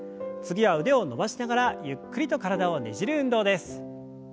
次は腕を伸ばしながらゆっくりと体をねじる運動です。